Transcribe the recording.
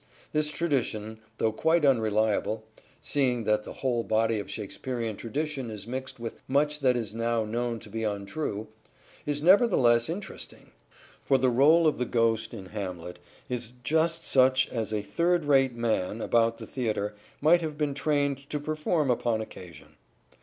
This tradition, though quite unreliable — seeing that the whole body of Shakespearean tradition is mixed with much that is now known to be untrue — is nevertheless interesting : for the role of the Ghost in Hamlet is just such as a third rate man about the theatre might have been trained to perform upon occasion.